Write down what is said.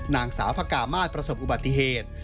นางสาวพระกามาศประสบอุบัติเหตุ